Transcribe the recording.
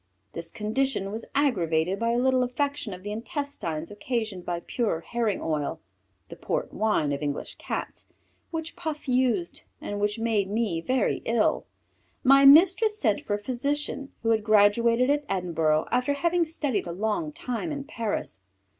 This condition was aggravated by a little affection of the intestines occasioned by pure herring oil (the Port Wine of English Cats), which Puff used, and which made me very ill. My mistress sent for a physician who had graduated at Edinburgh after having studied a long time in Paris.